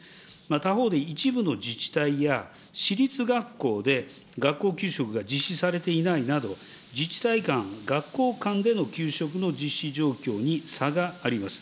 他方で一部の自治体や、私立学校で、学校給食が実施されていないなど、自治体間、学校間での給食の実施状況に差があります。